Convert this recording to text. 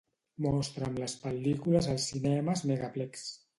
Mostra'm les pel·lícules als Cinemes Megaplex.